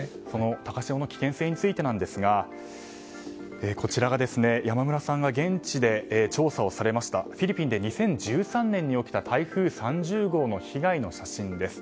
高潮の危険性についてなんですがこちらが山村さんが現地で調査をされたフィリピンで２０１３年に起きた台風３０号の写真。